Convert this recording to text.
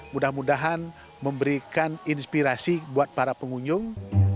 mudah mudahan memberikan inspirasi buat para pengunjung